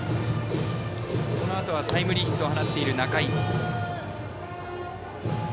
このあとはタイムリーヒットを放っている仲井。